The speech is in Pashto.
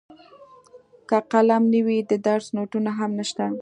که قلم نه وي د درس نوټونه هم نشته.